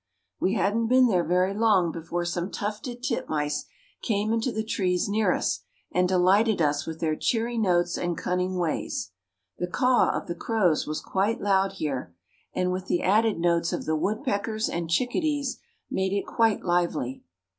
We hadn't been there very long before some tufted titmice came into the trees near us, and delighted us with their cheery notes and cunning ways. The "caw" of the crows was quite loud here and, with the added notes of the woodpeckers and chickadees, made it quite lively.